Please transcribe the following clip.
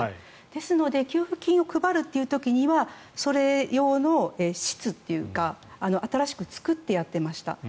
ですので給付金を配るという時にはそれ用の室というか新しく作ってやっていました。